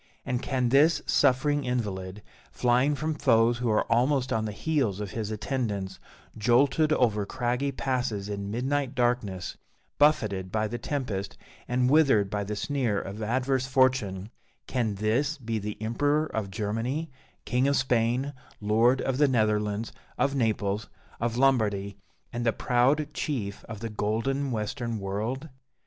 And can this suffering invalid, flying from foes who are almost on the heels of his attendants, jolted over craggy passes in midnight darkness, buffeted by the tempest, and withered by the sneer of adverse fortune can this be the Emperor of Germany, King of Spain, Lord of the Netherlands, of Naples, of Lombardy, and the proud chief of the golden Western World?